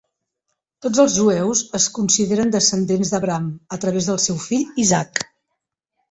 Tots els jueus es consideren descendents d'Abraham a través del seu fill Isaac.